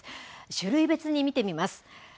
種類別に見てみます。